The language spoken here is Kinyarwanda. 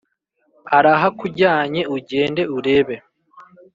arahakujyanye ujyende urebe .